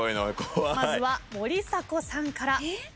まずは森迫さんから。